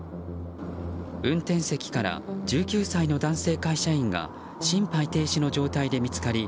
運転席から１９歳の男性会社員が心肺停止の状態で見つかり